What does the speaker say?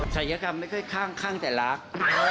สายกรรมไม่ค่อยข้างแต่รัก